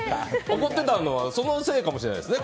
怒ってたのはそのせいかもしれないですね。